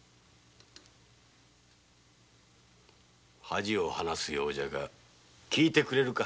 恥を話すようだが聞いてくれるか？